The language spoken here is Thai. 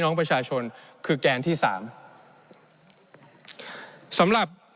ในช่วงที่สุดในรอบ๑๖ปี